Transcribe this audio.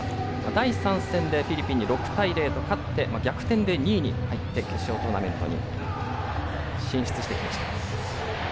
第３戦でフィリピンに６対０で勝って逆転で２位に入って決勝トーナメントに進出してきました。